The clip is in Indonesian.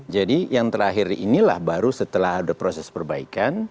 jadi yang terakhir inilah baru setelah ada proses perbaikan